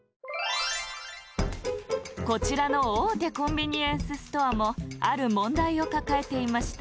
こちらのおおてコンビニエンスストアもあるもんだいをかかえていました。